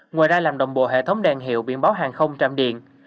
ngoài ra làm đồng bộ hệ thống đèn hiệu biển báo hàng không trạm điện